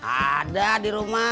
ada di rumah